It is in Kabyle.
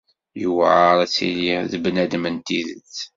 Yuɛer ad tilid d bnadem n tidet.